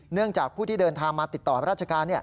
จากผู้ที่เดินทางมาติดต่อราชการ